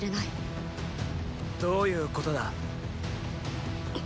どういうことだ。